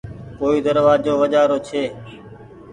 ڪوئي دروآزو وجهآ رو ڇي